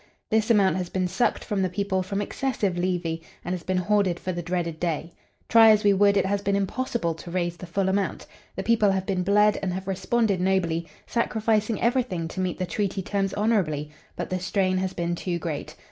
This amount has been sucked from the people from excessive levy, and has been hoarded for the dreaded day. Try as we would, it has been impossible to raise the full amount. The people have been bled and have responded nobly, sacrificing everything to meet the treaty terms honorably, but the strain has been too great.